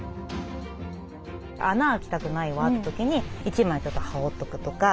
穴開きたくないわって時に１枚ちょっと羽織っとくとか。